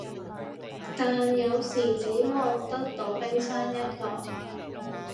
但有時只望得到冰山一角